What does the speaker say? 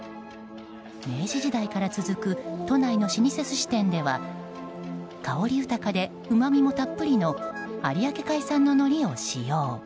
明治時代から続く都内の老舗寿司店では香り豊かでうまみもたっぷりの有明海産ののりを使用。